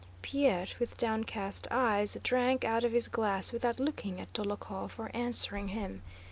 Pierre, with downcast eyes, drank out of his glass without looking at Dólokhov or answering him.